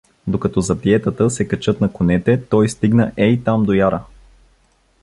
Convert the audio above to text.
Докато заптиетата се качат на конете, той стигна ей там до яра.